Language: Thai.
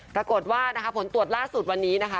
ปรากฏว่านะคะผลตรวจล่าสุดวันนี้นะคะ